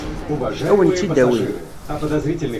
Ad wen-tt-id-awin?